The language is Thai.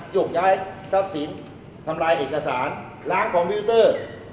ยกย้ายทรัพย์สินทำลายเอกสารล้างคอมพิวเตอร์